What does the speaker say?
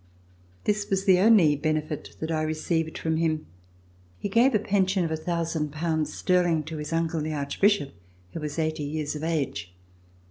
This was the only benefit that I received from him. He gave a pension of i,ooo pounds sterling to his uncle the Archbishop, who was eighty years of age.